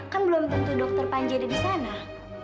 kan belum tentu dokter panji ada di sana